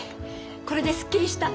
これですっきりした。